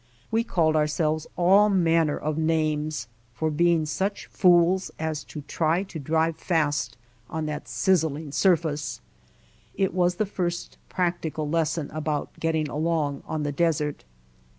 We called ourselves all manner of names for being such fools as to try to drive fast on that sizzling sur face. It was the first practical lesson about getting along on the desert.